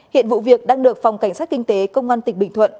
hiện vụ việc đang được phòng cảnh sát kinh tế công an tỉnh bình thuận